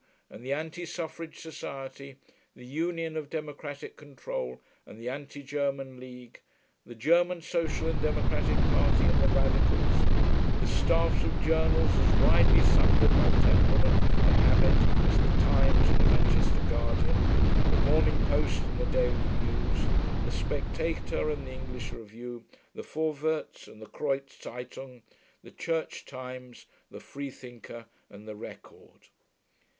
and the Anti Suffrage Society, the Union of Democratic Control and the Anti German League, the German Social and Democratic Party and the Radicals; the staffs of journals as widely sundered by temperament and habit as the Times and the Manchester Guardian, the Morning Post and the Daily News, the Spectator and the English Review, the Vorwärts and the Kreuz Zeitung, the Church Times, the Freethinker and the Record.